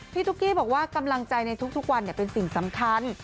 ตุ๊กกี้บอกว่ากำลังใจในทุกวันเป็นสิ่งสำคัญ